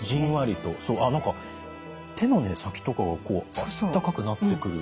そうあっ何か手のね先とかがこうあったかくなってくる。